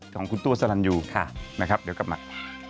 ของคุณตัวสลันยูนะครับเดี๋ยวกลับมา